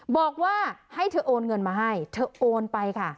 บอกว่าให้เธอโอนเงินมาให้เธอโอนไปค่ะ